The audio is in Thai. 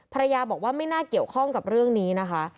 ภรรยาบอกว่าไม่น่าเกี่ยวข้องกับเรื่องนี้นะคะ